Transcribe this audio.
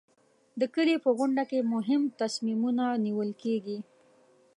د کلي په غونډه کې مهم تصمیمونه نیول کېږي.